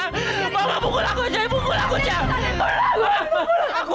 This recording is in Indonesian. mama pukul aku aja